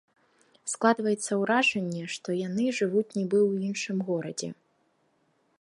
Складваецца ўражанне, што яны жывуць нібы ў іншым горадзе.